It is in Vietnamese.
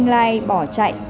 lai bỏ chạy